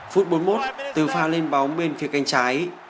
phút bốn mươi một từ pha lên bóng bên phía canh trái